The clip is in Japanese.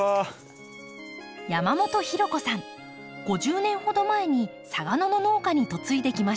５０年ほど前に嵯峨野の農家に嫁いできました。